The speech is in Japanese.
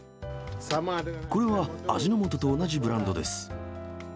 これは味の素と同じブランドです。